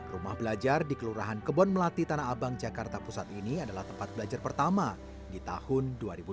rumah belajar di kelurahan kebon melati tanah abang jakarta pusat ini adalah tempat belajar pertama di tahun dua ribu dua puluh